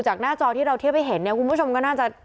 หน้าจอที่เราเทียบให้เห็นเนี่ยคุณผู้ชมก็น่าจะ